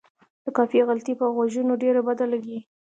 د قافیې غلطي پر غوږونو ډېره بده لګي.